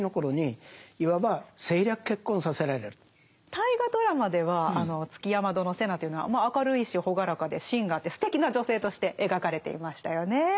大河ドラマでは築山殿瀬名というのは明るいし朗らかで芯があってすてきな女性として描かれていましたよね。